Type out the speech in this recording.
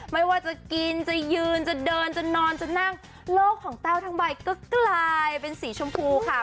ไม่ว่าจะกินจะยืนจะเดินจะนอนจนนั่งโลกของแต้วทั้งใบก็กลายเป็นสีชมพูค่ะ